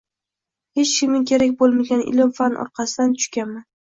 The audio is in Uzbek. Hech kimga kerak boʻlmagan ilm-fan orqasidan tushganman